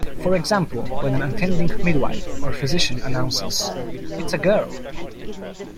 For example, when an attending midwife or physician announces, "It's a girl!".